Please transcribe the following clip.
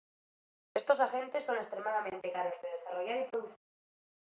Estos agentes son extremadamente caros de desarrollar y producir.